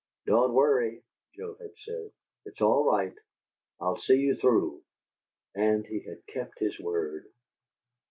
"Don't worry," Joe had said. "It's all right. I'll see you through." And he had kept his word.